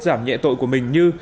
giảm nhẹ tội của mình như